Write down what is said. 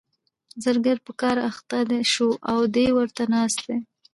زرګر په کار اخته شو او دی ورته ناست دی.